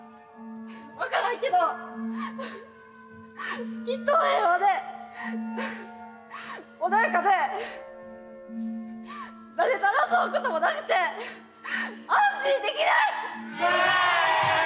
分からんけどきっと平和で穏やかで誰と争うこともなくて安心できる。